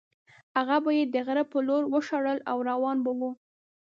هغه به یې د غره په لور وشړل او روان به وو.